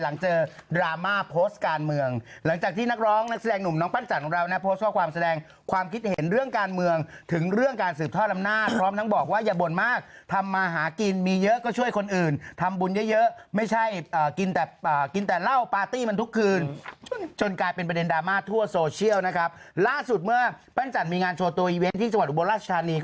แล้วเขียนว่าตอนที่คุณบ๊อตดำทำสัญญานี้ยังมีสติสัตว์ประชายะครบถ้วน